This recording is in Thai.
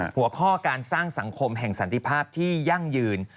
หัวข้อการสร้างสังคมแห่งสันติภาพที่ยั่งยืน